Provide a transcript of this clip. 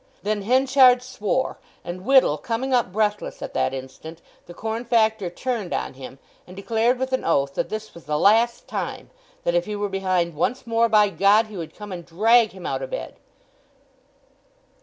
Then Henchard swore, and Whittle coming up breathless at that instant, the corn factor turned on him, and declared with an oath that this was the last time; that if he were behind once more, by God, he would come and drag him out o' bed.